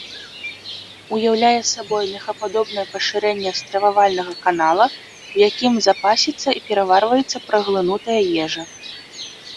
Уяўляе сабой мехападобнае пашырэнне стрававальнага канала, у якім запасіцца і пераварваецца праглынутая ежа.